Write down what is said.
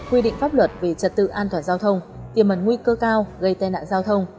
quy định pháp luật về trật tự an toàn giao thông tiềm mẩn nguy cơ cao gây tai nạn giao thông